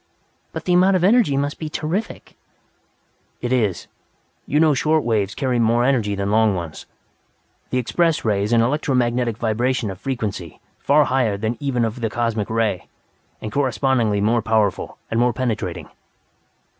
"But the amount of energy must be terrific " "It is. You know short waves carry more energy than long ones. The Express Ray is an electromagnetic vibration of frequency far higher than that of even the Cosmic Ray, and correspondingly more powerful and more penetrating."